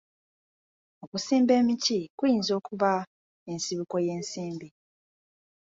Okusimba emiti kuyinza okuba ensibuko y'ensimbi.